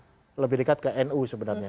muhammad itu kan dia lebih dekat ke nu sebenarnya